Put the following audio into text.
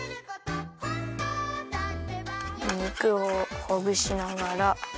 肉をほぐしながら。